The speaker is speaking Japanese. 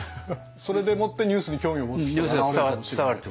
それでもってニュースに興味を持つ人が現れるかもしれない。